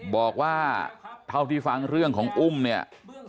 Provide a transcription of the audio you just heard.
บอกว่าเท่าที่ฟังเรื่องของอุ้มเนี่ย